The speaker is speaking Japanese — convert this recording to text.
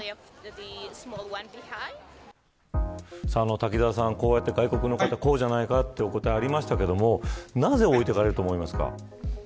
瀧澤さん、外国の方こうじゃないかというお答えがありましたがなぜ置いていかれると思いますか。